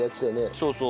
そうそう。